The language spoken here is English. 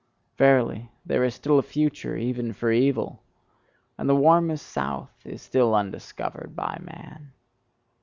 Verily, there is still a future even for evil! And the warmest south is still undiscovered by man.